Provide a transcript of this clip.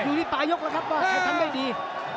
อยู่ที่ปลายกแล้วครับว่าใครทำได้ดี